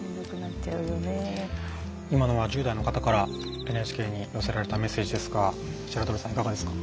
今のは１０代の方からＮＨＫに寄せられたメッセージですが白鳥さんいかがですか？